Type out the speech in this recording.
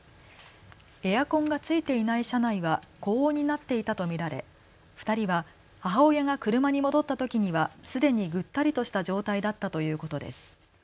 エアコンがついていない車内は高温になっていたと見られ２人は母親が車に戻ったときにはすでにぐったりとした状態だったということです。